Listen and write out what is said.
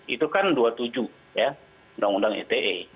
itu kan dua puluh tujuh undang undang ete